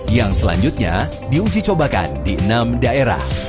yang selanjutnya diuji cobakan di enam daerah